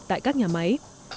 tại các nhà máy